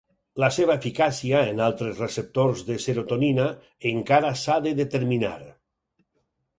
La seva eficàcia en altres receptors de serotonina encara s'ha de determinar.